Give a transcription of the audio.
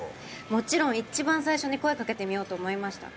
もちろん一番最初に声かけてみようと思いました